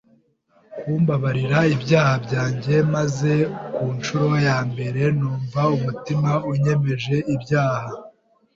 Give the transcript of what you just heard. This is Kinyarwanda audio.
kumbabarira ibyaha byanjye, maze ku ncuro ya mbere numva umutima unyemeje ibyaha